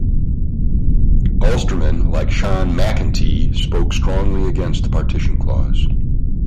Ulstermen like Sean MacEntee spoke strongly against the partition clause.